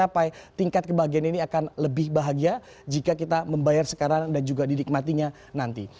jadi kita bisa mengatakan bahwa tingkat kebahagiaan ini akan lebih bahagia jika kita membayar sekarang dan juga didikmatinya nanti